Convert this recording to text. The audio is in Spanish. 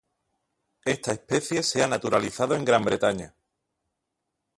Esta especie se ha naturalizado en Gran Bretaña.